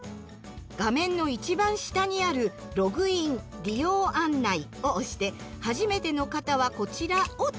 画面の一番下にある「ログイン・利用案内」を押して「はじめての方はこちら」をタッチ。